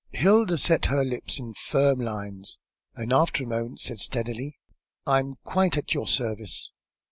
Hilda set her lips in firm lines, and after a moment said steadily "I am quite at your service."